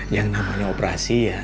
yang namanya operasi ya